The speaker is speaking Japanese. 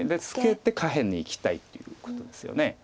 ツケて下辺にいきたいということですよね。